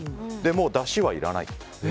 もう、だしはいらない。